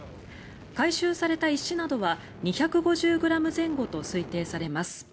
回収された石などは２５０ｇ前後と推定されます。